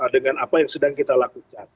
dengan apa yang sedang kita lakukan